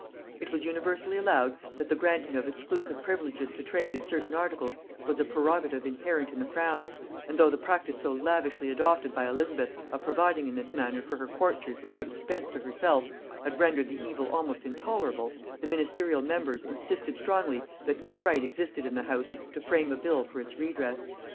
It was universally allowed, that the granting of exclusive privileges to trade in certain articles was a prerogative inherent in the crown; and though the practice so lavishly adopted by Elizabeth of providing in this manner for her courtiers without expense to herself, had rendered the evil almost intolerable, the ministerial members insisted strongly that no right existed in the house to frame a bill for its redress.